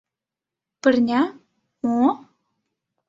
Пырня — мо?